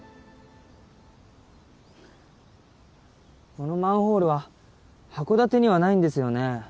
このマンホールは函館にはないんですよね。